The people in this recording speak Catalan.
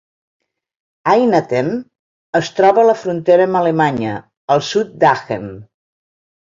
Eynatten es troba a la frontera amb Alemanya, al sud d'Aachen.